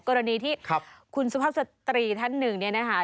กรณีที่คุณสุภาพสตรีท่านหนึ่งเนี่ยนะคะ